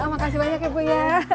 makasih banyak ya bu ya